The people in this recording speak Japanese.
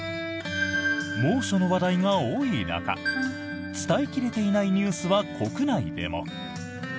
猛暑の話題が多い中伝え切れていないニュースは国内でも。